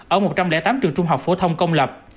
ở một trăm linh tám trường trung học phổ thông công lập